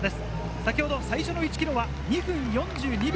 先ほど最初の１ｋｍは２分４２秒。